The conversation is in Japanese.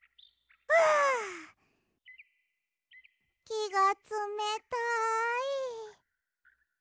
きがつめたい！